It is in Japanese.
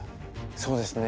そうですね。